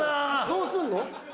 どうすんの？